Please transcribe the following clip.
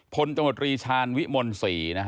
ผลจังหวัดรีชาญวิมนศ์๔